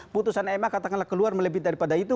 putusan ma katakanlah keluar melebit daripada itu